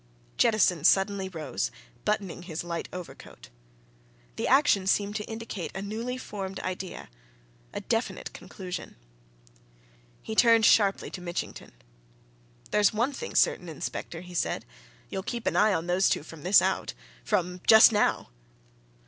Jettison suddenly rose, buttoning his light overcoat. The action seemed to indicate a newly formed idea, a definite conclusion. He turned sharply to Mitchington. "There's one thing certain, inspector," he said. "You'll keep an eye on those two from this out! From just now!"